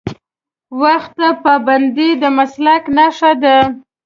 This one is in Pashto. وخت ته پابندي د مسلک نښه ده.